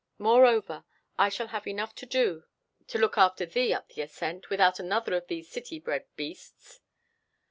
Moreover, I shall have enough to do to look after thee up the ascent, without another of these city bred beasts."